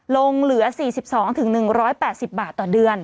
ลงเหลือ๔๒๑๘๐บาทต่อเดือน